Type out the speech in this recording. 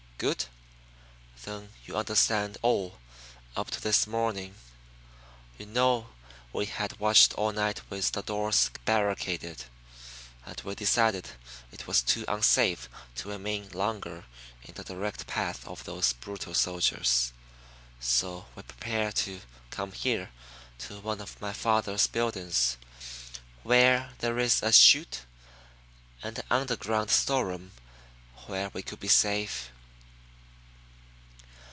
Good! Then you understand all, up to this morning. You know we had watched all night with the doors barricaded, and we decided it was too unsafe to remain longer in the direct path of those brutal soldiers. So we prepared to come here, to one of my father's buildings where there is a chute and an underground storeroom where we could be safe.